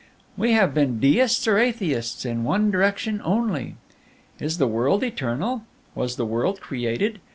"We have been Deists or Atheists in one direction only. "Is the world eternal? Was the world created?